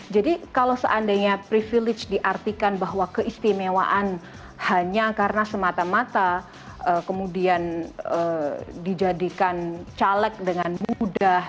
kalau seandainya privilege diartikan bahwa keistimewaan hanya karena semata mata kemudian dijadikan caleg dengan mudah